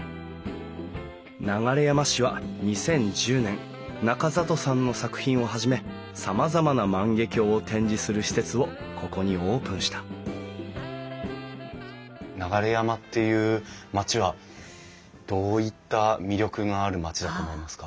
流山市は２０１０年中里さんの作品をはじめさまざまな万華鏡を展示する施設をここにオープンした流山っていう町はどういった魅力がある町だと思いますか？